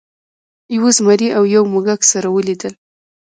یو زمري او یو موږک سره ولیدل.